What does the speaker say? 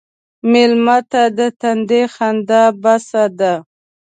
مېلمه ته د تندي خندا بس ده.